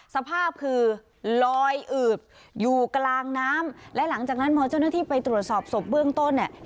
สภาพคือลอยอืดอยู่กลางน้ำและหลังจากนั้นพอเจ้าหน้าที่ไปตรวจสอบศพเบื้องต้นเนี่ย